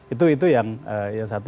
itu itu yang satu